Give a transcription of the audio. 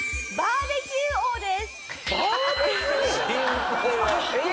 バーベキューですよね。